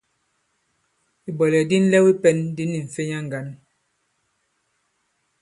Ìbwɛ̀lɛ̀k di nlɛw i pɛ̄n di ni m̀fenya ŋgǎn.